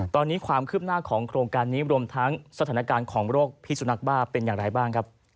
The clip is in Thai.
ตอนนี้ความคืบหน้าของโครงการนี้รวมทั้งสถานการณ์ของโรคพิสุนักบ้าเป็นอย่างไรบ้างครับ